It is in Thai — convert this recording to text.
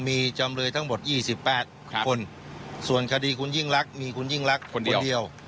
มีจำเลยทั้งหมด๒๘คนส่วนคดีคุณยิ่งรักมีคุณยิ่งรักคนเดียว